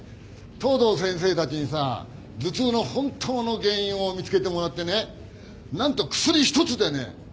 藤堂先生たちにさ頭痛の本当の原因を見つけてもらってね何と薬一つでね